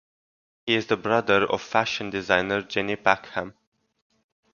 He is the brother of fashion designer Jenny Packham.